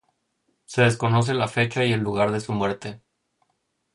Se desconoce la fecha y lugar de su muerte.